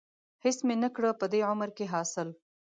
هېڅ مې نه کړه په دې عمر کې حاصل.